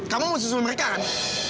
kamu mau susul mereka kan